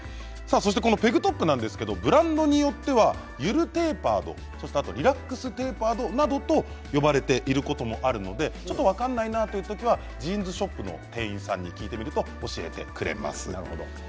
そしてこのペグトップはブランドによってはゆるテーパードリラックステーパードなどと呼ばれていることもありますので分からないなというときはジーンズショップの店員さんに聞いてみると教えてくれます。